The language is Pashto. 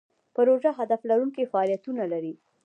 پروژه هدف لرونکي فعالیتونه لري.